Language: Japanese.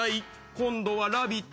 今度は「ラヴィット！」